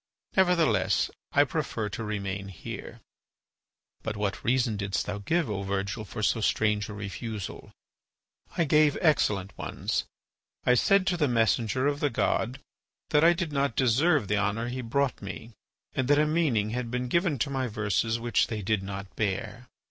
Nevertheless I prefer to remain here." "But what reason didst thou give, O Virgil, for so strange a refusal?" "I gave excellent ones. I said to the messenger of the god that I did not deserve the honour he brought me, and that a meaning had been given to my verses which they did not bear.